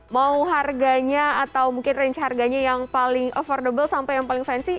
mau harganya atau mungkin range harganya yang paling affordable sampai yang paling fansi